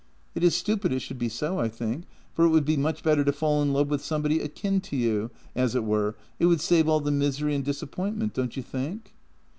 It is stupid it should be so, I think, for it would be much better to fall in love with somebody akin to you, as it were; it would save all the misery and disappointment, don't you think?